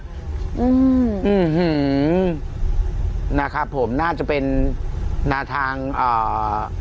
อืมอื้อหือนะครับผมน่าจะเป็นนาทางอ่า